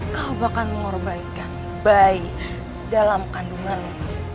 kau bahkan mengorbankan bayi dalam kandunganmu